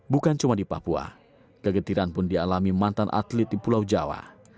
bukan cuma di papua kegetiran pun dialami mantan atlet di pulau jawa